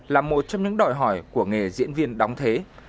là một trong những đòi hỏi của nghề diễn viên đóng thế